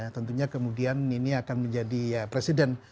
tentunya kemudian ini akan menjadi presiden